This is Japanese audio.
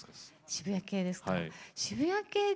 渋谷系ですか？